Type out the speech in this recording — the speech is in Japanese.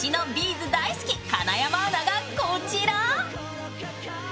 ’ｚ大好き・金山アナがこちら。